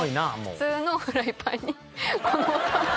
普通のフライパンにこのお玉。